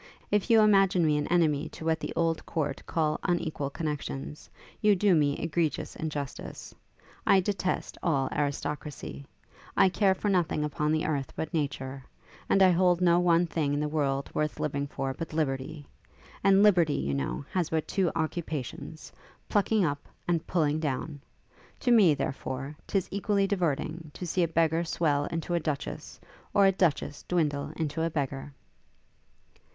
If you imagine me an enemy to what the old court call unequal connexions, you do me egregious injustice. I detest all aristocracy: I care for nothing upon earth but nature; and I hold no one thing in the world worth living for but liberty! and liberty, you know, has but two occupations, plucking up and pulling down. To me, therefore, 'tis equally diverting, to see a beggar swell into a duchess, or a duchess dwindle into a beggar.'